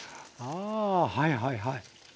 あはいはいはい。